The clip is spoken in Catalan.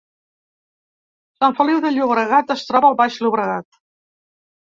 Sant Feliu de Llobregat es troba al Baix Llobregat